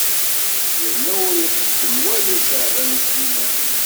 Yella ur ixeddem walu Caɛban U Sliman.